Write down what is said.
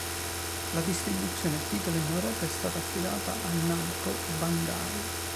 La distribuzione del titolo in Europa è stata affidata a Namco Bandai.